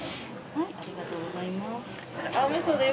ありがとうございます。